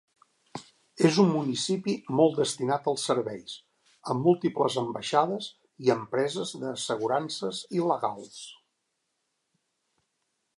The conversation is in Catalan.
És un municipi molt destinat als serveis, amb múltiples ambaixades i empreses d'assegurances i legals.